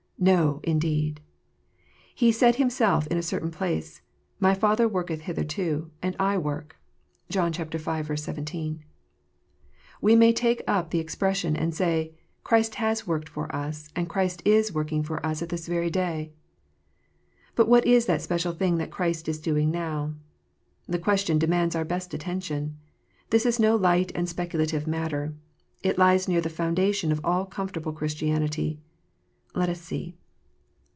No, indeed ! He said Himself in a certain place, " My Father worketh hitherto, and I work." (John v. 17.) We may take up the expression, * and say, "Christ has worked for us, and Christ is working for us at this very day." But what is that special thing that Christ is doing now 1 The question demands our best attention. This is no light and speculative matter. It lies near the foundation of all comfort able Christianity. Let us see.